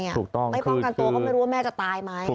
ถูกต้องไม่ป้องกันตัวก็ไม่รู้ว่าแม่จะตายไหม